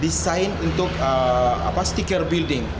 desain untuk sticker building